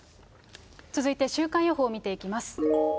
続いて週間予報を見ていきます。